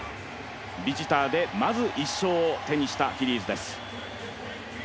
ビジターでまず１勝を手にしたフィリーズです。